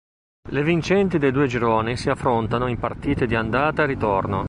Le vincenti dei due gironi si affrontano in partite di andata e ritorno.